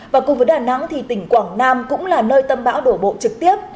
và cùng với đà nẵng thì tỉnh quảng nam cũng là nơi tâm bão đổ bộ trực tiếp